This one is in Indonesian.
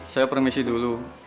saya permisi dulu